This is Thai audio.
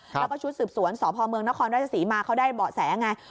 แล้วก็ชุดสืบสวนสพเมืองนครราชศรีมาเขาได้เบาะแสไง